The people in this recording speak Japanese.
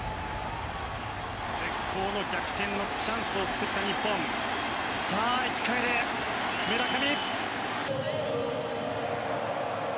絶好の逆転のチャンスを作った日本、さあ生き返れ村上。